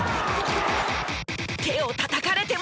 手をたたかれても。